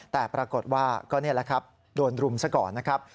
แต่ปรากฏว่าก็นี่แหละครับโดนรุมซะก่อนนะครับ